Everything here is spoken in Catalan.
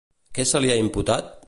Què se li va imputar?